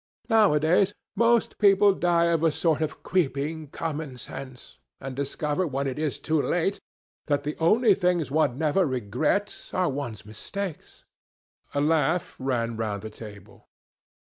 Nowadays most people die of a sort of creeping common sense, and discover when it is too late that the only things one never regrets are one's mistakes." A laugh ran round the table.